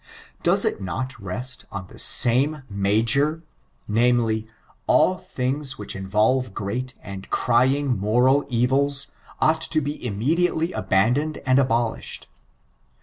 Does it not rest on the same major, namely, all things which involve great and crying moral evils, ought to be immediately abandoned } and abolished.